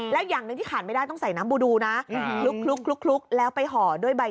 แล้วอย่างหนึ่งที่ขาดไม่ได้ต้องใส่น้ำบูดูนะคลุกแล้วไปห่อด้วยใบ